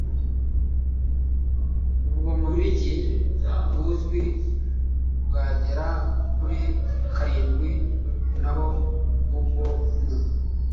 ubwo mu mijyi buzwi bwagera kuri karindwi naho mu bwo mu